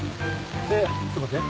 せっちょっと待って。